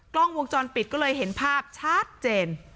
กล้องวงจรปิดก็เลยเห็นภาพชัดเจน